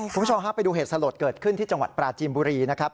คุณผู้ชมฮะไปดูเหตุสลดเกิดขึ้นที่จังหวัดปราจีนบุรีนะครับ